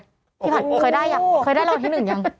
พี่ผันเคยได้หรือยังเคยได้รวมที่๑ยัง